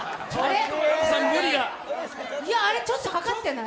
あれちょっとかかってない？